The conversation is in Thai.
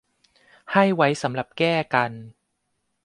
ให้ไว้สำหรับแก้กัน